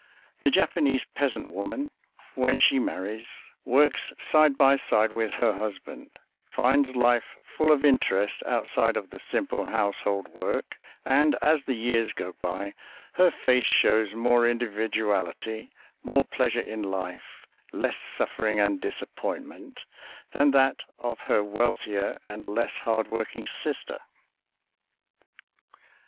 The Japanese peasant woman, when she marries, works side by side with her husband, finds life full of interest outside of the simple household work, and, as the years go by, her face shows more individuality, more pleasure in life, less suffering and disappointment, than that of her wealthier and less hard working sister.